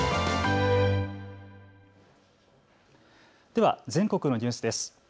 では全国のニュースです。